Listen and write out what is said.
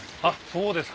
そうですか。